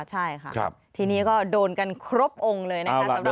ใช่ค่ะทีนี้ก็โดนกันครบองค์เลยนะคะ